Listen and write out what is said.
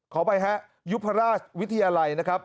ขออภัยฮะยุพราชวิทยาลัยนะครับ